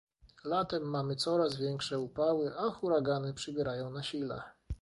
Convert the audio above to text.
Latem mamy coraz większe upały, a huragany przybierają na sile